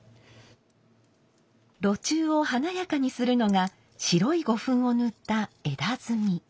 炉中を華やかにするのが白い胡粉を塗った枝炭。